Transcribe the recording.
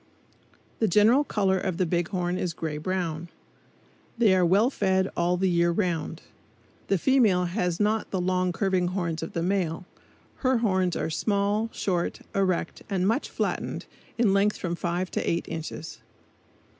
The general color of the big horn is gray brown. They are well fed all the year round. The female has not the long curving horns of the male. Her horns are small, short, erect, and much flattened, in length from five to eight inches.